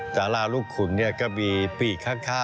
จาราลูกขุนเนี่ยก็มีปีกข้าง